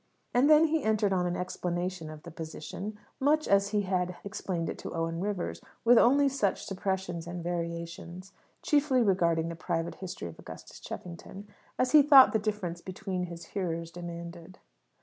And then he entered on an explanation of the "position," much as he had explained it to Owen Rivers; with only such suppressions and variations (chiefly regarding the private history of Augustus Cheffington) as he thought the difference between his hearers demanded.